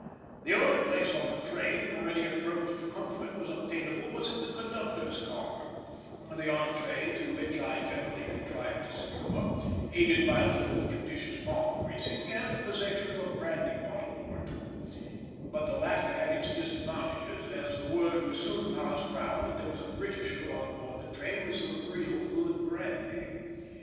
The only place on the train where any approach to comfort was obtainable was in the conductor's car, the entrée to which I generally contrived to secure, aided by a little judicious palm greasing and the possession of a brandy bottle or two; but the latter had its disadvantages, as the word was soon passed round that there was a Britisher on board the train with some real good brandy.